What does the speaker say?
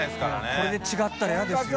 これで違ったら嫌ですよ。